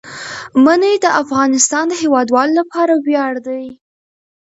منی د افغانستان د هیوادوالو لپاره ویاړ دی.